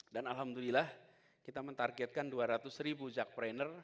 dan alhamdulillah kita mentargetkan dua ratus ribu jakpreneur